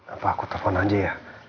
apa aku telpon aja ya